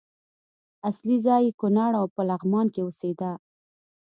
اصلي ځای یې کونړ او په لغمان کې اوسېده.